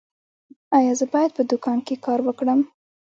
ایا زه باید په دوکان کې کار وکړم؟